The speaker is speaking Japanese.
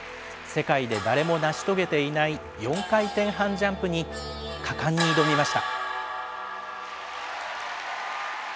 世界で誰も成し遂げていない４回転半ジャンプに果敢に挑みました。